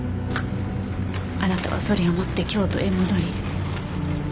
あなたはそれを持って京都へ戻り。